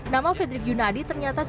nama frederick yunadi ternyata cukup